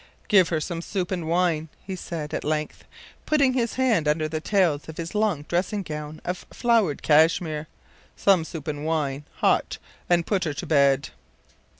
“Give her some soup and wine,” he said, at length, putting his hands under the tails of his long dressing gown of flowered cashmere. “Some soup and wine hot; and put her to bed.